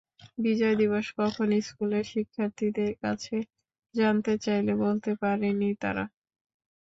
বিজয় দিবস কখন, স্কুলের শিক্ষার্থীদের কাছে জানতে চাইলে বলতে পারেনি তারা।